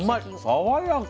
爽やか。